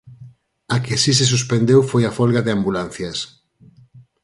A que si se suspendeu foi a folga de ambulancias.